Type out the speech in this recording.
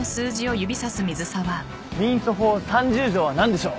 民訴法３０条は何でしょう？